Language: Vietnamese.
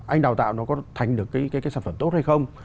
anh đào tạo nó có thành được cái sản phẩm tốt hay không